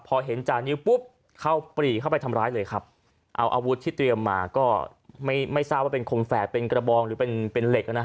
พอเห็นจานิวปุ๊บเข้าปรีเข้าไปทำร้ายเลยครับเอาอาวุธที่เตรียมมาก็ไม่ไม่ทราบว่าเป็นคมแฝดเป็นกระบองหรือเป็นเป็นเหล็กนะฮะ